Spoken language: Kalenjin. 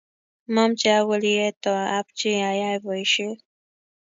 mamche agul iyeto ab chiii ayae boishet